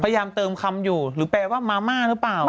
พยายามเติมคำอยู่หรือแปลว่ามาม่าหรือเปล่า